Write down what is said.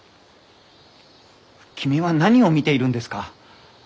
君は何を見ているんですか？